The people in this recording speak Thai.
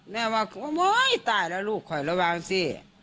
แม่ว่าโอ๊ยตายแล้วลูกคอยระวังสิ